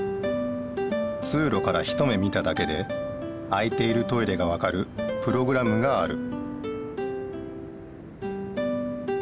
つうろから一目見ただけで空いているトイレがわかるプログラムがある。